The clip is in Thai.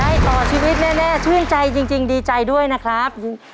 ได้ต่อชีวิตแน่ชื่นใจจริงดีใจด้วยนะครับ